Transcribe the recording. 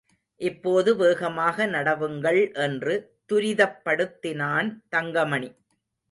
இப்போது வேகமாக நடவுங்கள் என்று துரிதப்படுத்தினான் தங்கமணி.